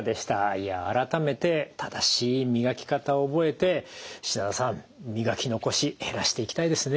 いや改めて正しい磨き方を覚えて品田さん磨き残し減らしていきたいですね。